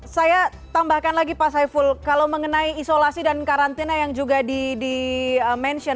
saya tambahkan lagi pak saiful kalau mengenai isolasi dan karantina yang juga di mention